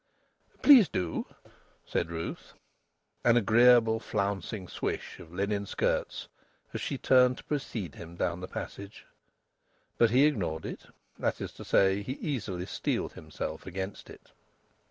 "Please do," said Ruth. An agreeable flouncing swish of linen skirts as she turned to precede him down the passage! But he ignored it. That is to say, he easily steeled himself against it.